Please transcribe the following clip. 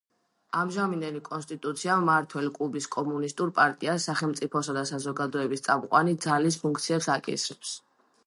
ამჟამინდელი კონსტიტუცია მმართველ კუბის კომუნისტურ პარტიას „სახელმწიფოსა და საზოგადოების წამყვანი ძალის“ ფუნქციებს აკისრებს.